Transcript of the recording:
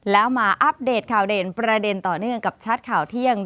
แล้วมาอัปเดตข่าวเด่นประเด็นต่อเนื่องกับชัดข่าวเที่ยง